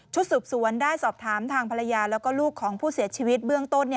สืบสวนได้สอบถามทางภรรยาแล้วก็ลูกของผู้เสียชีวิตเบื้องต้น